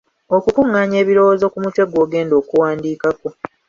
Okukungaanya ebirowoozo ku mutwe gw'ogenda okuwandiikako.